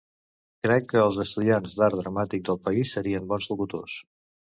Crec que els estudiants d'art dramàtic del país serien bons locutors